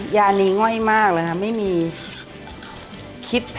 ยานี้ง่อยมากเลยค่ะไม่มีคิด